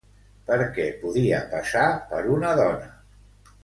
Per què podia passar per una dona?